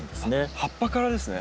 葉っぱからですね。